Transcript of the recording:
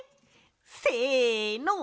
せの！